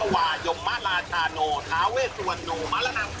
วงกรม